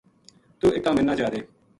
توہ اِکا مَنا چادے